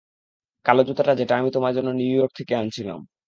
কালো জুতাটা যেটা আমি তোমার জন্য নিউ ইয়র্ক থেকে আনছিলাম।